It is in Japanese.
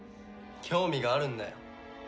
興味があるんだよ。